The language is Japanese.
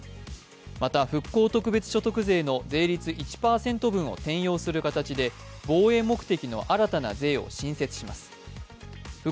また復興特別所得税の税率１％分を転用する形で防衛目的の新たな税を新設します。